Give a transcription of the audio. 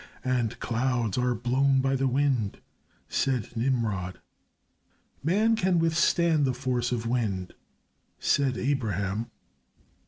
"And clouds are blown by the wind," said Nimrod. "Man can withstand the force of the wind," said Abraham.